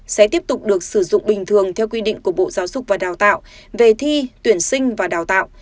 sẽ tiếp tục được sử dụng bình thường theo quy định của bộ giáo dục và đào tạo về thi tuyển sinh và đào tạo